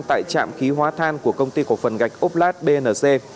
tại trạm khí hóa than của công ty cổ phần gạch oplad bnc